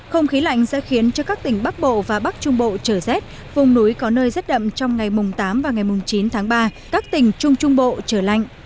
không khí lạnh sẽ khiến cho các tỉnh bắc bộ và bắc trung bộ trở rét vùng núi có nơi rất đậm trong ngày tám chín tháng ba các tỉnh trung trung bộ trở lạnh